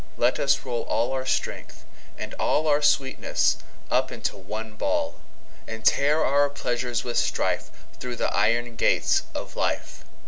Let us roll all our Strength, and allOur sweetness, up into one Ball:And tear our Pleasures with rough strife, Thorough the Iron gates of Life.